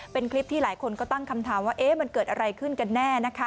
เป็นคลิปที่หลายคนก็ตั้งคำถามว่ามันเกิดอะไรขึ้นกันแน่นะคะ